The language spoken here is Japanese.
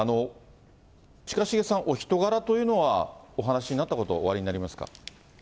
近重さん、お人柄というのは、お話になったことおありになりますか。